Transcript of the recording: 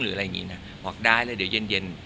หรืออะไรอย่างนี้นะบอกได้เลยเดี๋ยวเย็น